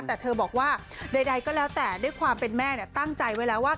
แต่เธอบอกว่าใดก็แล้วแต่ด้วยความเป็นแม่ตั้งใจไว้แล้วว่า